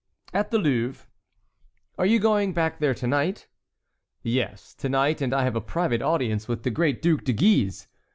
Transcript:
"At the Louvre." "Are you going back there to night?" "Yes; to night I have a private audience with the great Duc de Guise."